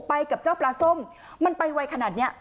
ไปกับเจ้าปลาส้มมันไปไวขนาดนี้